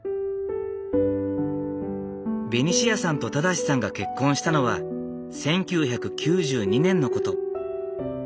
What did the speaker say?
ベニシアさんと正さんが結婚したのは１９９２年のこと。